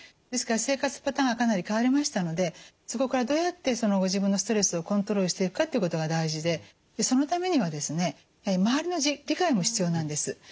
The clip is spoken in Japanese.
ですから生活パターンがかなり変わりましたのでそこからどうやってご自分のストレスをコントロールしていくかということが大事でそのためにはですね周りの理解も必要なんです。